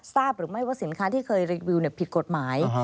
ทราบหรือไม่ว่าสินค้าที่เคยรีวิวผิดกฎหมาย